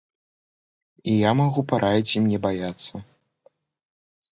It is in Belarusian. І я магу параіць ім не баяцца.